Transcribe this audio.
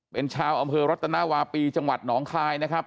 เป็นชาวอำเภอรัตนาวาปีจังหวัดหนองคายนะครับ